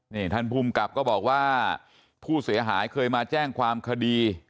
นี่ท่านภูมิกับก็บอกว่าผู้เสียหายเคยมาแจ้งความคดี